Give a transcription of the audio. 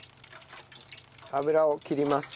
油を切ります。